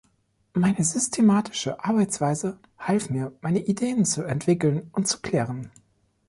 Meine systematische Arbeitsweise half mir, meine Ideen zu entwickeln und zu klären.